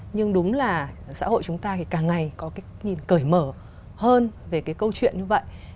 nhưng đúng là xã hội chúng ta thì càng ngày có cái nhìn cởi mở hơn về cái câu chuyện như vậy